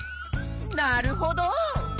なるほど！